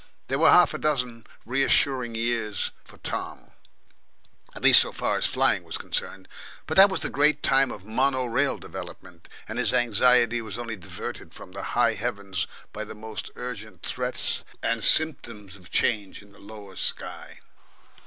There were half a dozen reassuring years for Tom at least so far as flying was concerned. But that was the great time of mono rail development, and his anxiety was only diverted from the high heavens by the most urgent threats and symptoms of change in the lower sky.